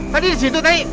tadi disitu teh